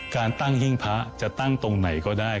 การตั้งหิ้งพระจะตั้งตรงไหนก็ได้